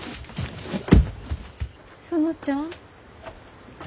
園ちゃん？